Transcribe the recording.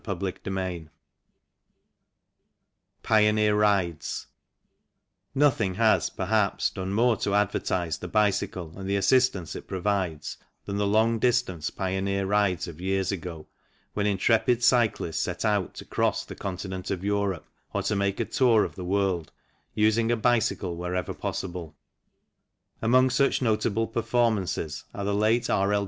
CHAPTER XVIII PIONEER RIPES NOTHING has, perhaps, done more to advertise the bicycle and the assistance it provides than the long distance pioneer rides of years ago, when intrepid cyclists set out to cross the Continent of Europe or to make a tour of the world, using a bicycle wherever possible. Among such notable performances are the late R. L.